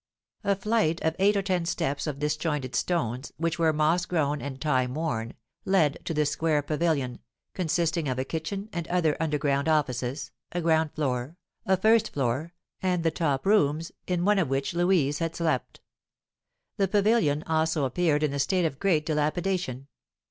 A flight of eight or ten steps of disjointed stones, which were moss grown and time worn, led to this square pavilion, consisting of a kitchen and other underground offices, a ground floor, a first floor, and the top rooms, in one of which Louise had slept. The pavilion also appeared in a state of great dilapidation.